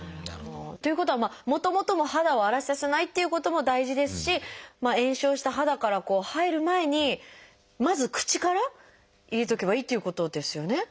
ということはもともとの肌を荒れさせないっていうことも大事ですし炎症した肌から入る前にまず口から入れておけばいいっていうことですよね。